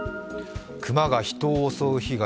熊が人を襲う被害